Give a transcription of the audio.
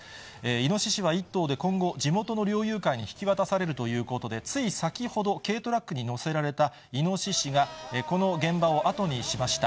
イノシシは１頭で、今後、地元の猟友会に引き渡されるということで、つい先ほど、軽トラックに載せられたイノシシがこの現場を後にしました。